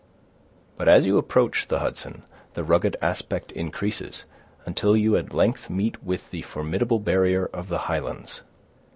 But as you approach the Hudson, the rugged aspect increases, until you at length meet with the formidable barrier of the Highlands.